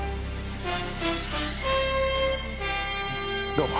どうも。